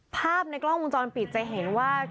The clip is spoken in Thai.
ภาพในกล้องวงจรปิดจะเห็นว่า